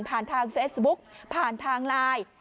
ผ่านทางเฟสบุ๊คผ่านทางไลน์